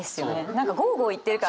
何かゴーゴーいってるから。